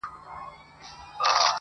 • مه کوه په چا چي وبه سي په تا -